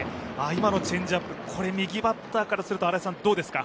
今のチェンジアップ、右バッターからするとどうですか？